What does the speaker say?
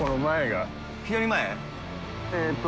えっと。